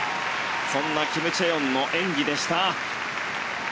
そんなキム・チェヨンの演技でした。